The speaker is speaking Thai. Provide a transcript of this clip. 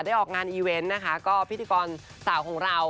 ออกงานอีเวนต์นะคะก็พิธีกรสาวของเรา